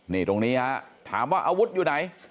นี่ตรงนี้ฮะถามว่าอาวุธอยู่ไหน